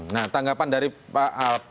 nah tanggapan dari pak